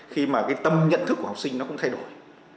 khi mà cái tâm nhận thức của học sinh nó cũng thay đổi